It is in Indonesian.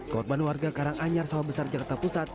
korban warga karanganyar sawah besar jakarta pusat